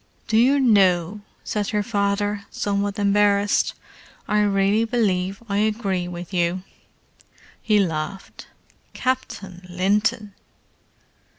"Do you know," said her father, somewhat embarrassed—"I really believe I agree with you!" He laughed. "Captain Linton!"